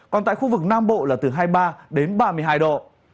còn tại khu vực nam bộ là từ hai mươi ba đến ba mươi hai độ